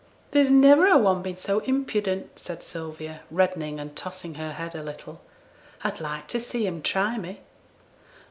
'There's niver a one been so impudent,' said Sylvia, reddening and tossing her head a little; 'I'd like to see 'em try me!'